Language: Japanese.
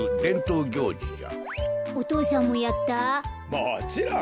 もちろん。